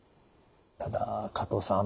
ただ加藤さん